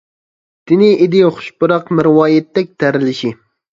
تېنى ئىدى خۇش پۇراق، مەرۋايىتتەك تەرلىشى.